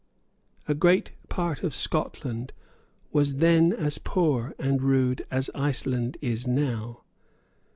A great part of Scotland was then as poor and rude as Iceland now is.